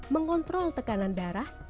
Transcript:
mengontrol tekanan darah